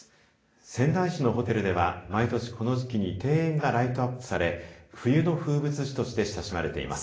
仙台市のホテルでは毎年この時期に庭園がライトアップされ冬の風物詩として親しまれています。